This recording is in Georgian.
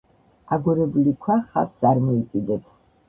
აგორებული ქვა ხავსს არ მოიკიდებს.